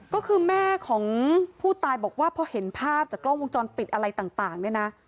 ก็คือแม่ของผู้ตายบอกว่าพอเห็นภาพจากกล้องวงจรปิดอะไรต่างเนี่ยนะ